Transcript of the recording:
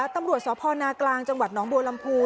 ตำรวจสพนกลางจนบลำพู